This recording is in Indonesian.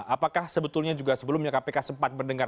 apakah sebetulnya juga sebelumnya kpk sempat mendengar